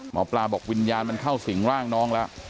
หมอปลาบอกวิญญาณมันเข้าสิงร่างน้องแล้ว